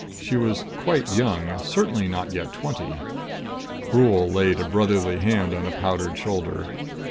She was quite young, certainly not yet twenty. Brule laid a brotherly hand on a powdered shoulder.